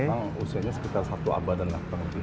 memang usianya sekitar satu abadan lah